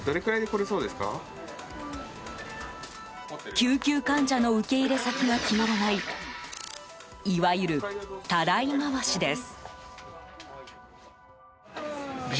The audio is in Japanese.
救急患者の受け入れ先が決まらないいわゆるたらい回しです。